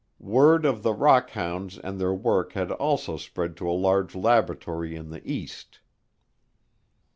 Word of the "rock hounds" and their work had also spread to a large laboratory in the East.